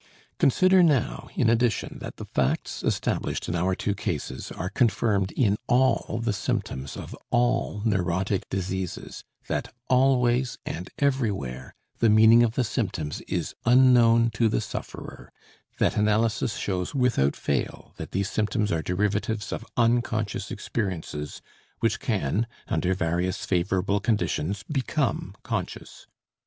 Consider now, in addition, that the facts established in our two cases are confirmed in all the symptoms of all neurotic diseases, that always and everywhere the meaning of the symptoms is unknown to the sufferer, that analysis shows without fail that these symptoms are derivatives of unconscious experiences which can, under various favorable conditions, become conscious.